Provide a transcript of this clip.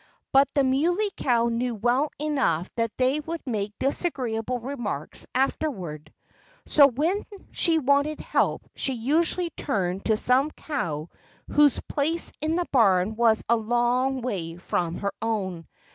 But the Muley Cow knew well enough that they would make disagreeable remarks afterward. So when she wanted help she usually turned to some cow whose place in the barn was a long way from her own.